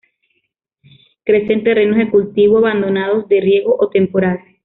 Crece en terrenos de cultivo abandonados, de riego o temporal.